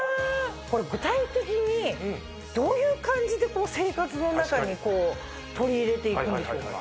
これ具体的にどういう感じでこう生活の中に取り入れて行くんでしょうか？